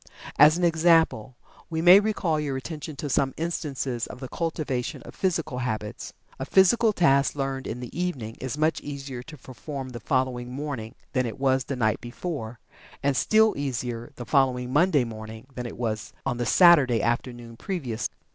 As an example, we may call your attention to some instances of the cultivation of physical habits. A physical task learned in the evening is much easier to perform the following morning than it was the night before, and still easier the following Monday morning than it was on the Saturday afternoon previous.